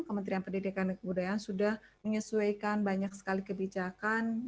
kementerian pendidikan dan kebudayaan sudah menyesuaikan banyak sekali kebijakan